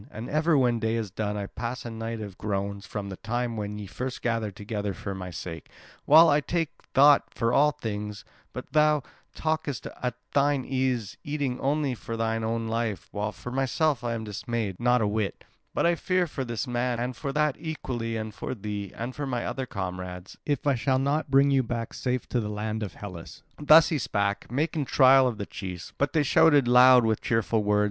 And ever when day is done I pass a night of groans from the time when ye first gathered together for my sake, while I take thought for all things; but thou talkest at thine ease, eating only for thine own life; while for myself I am dismayed not a whit; but I fear for this man and for that equally, and for thee, and for my other comrades, if I shall not bring you back safe to the land of Hellas." Thus he spake, making trial of the chiefs; but they shouted loud with cheerful words.